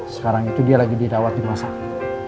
sekarang itu dia lagi dirawat di rumah sakit